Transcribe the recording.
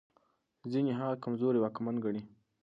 ځينې هغه کمزوری واکمن ګڼي.